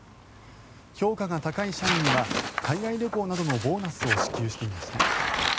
評価が高い社員には海外旅行などのボーナスを支給していました。